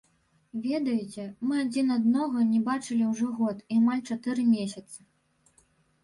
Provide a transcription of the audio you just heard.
Ведаеце, мы адзін аднаго не бачылі ўжо год і амаль чатыры месяцы.